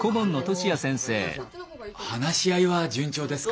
あの話し合いは順調ですか？